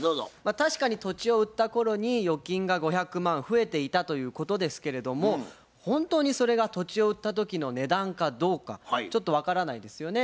確かに土地を売ったころに預金が５００万増えていたということですけれども本当にそれが土地を売った時の値段かどうかちょっと分からないですよね。